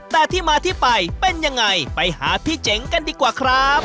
แต่ที่มาที่ไปเป็นยังไงไปหาพี่เจ๋งกันดีกว่าครับ